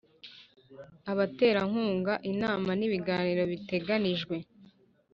abaterankunga Inama n Ibiganiro biteganijwe